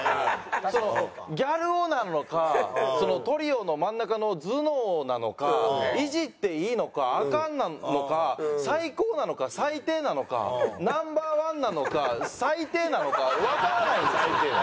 ギャル男なのかトリオの真ん中の頭脳なのかイジっていいのかアカンのか最高なのか最低なのかＮｏ．１なのか最低なのかわからないんですよ。